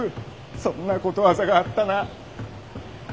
そんなことわざがあったな。